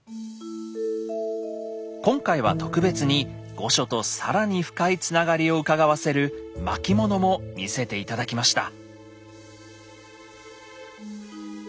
今回は特別に御所と更に深いつながりをうかがわせる巻物も見せて頂きました。